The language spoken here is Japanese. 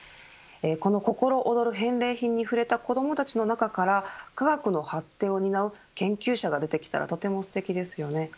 この心躍る返礼品に触れた子どもたちの中から科学の発展を担う研究者が出てきたらとてもすてきですよね。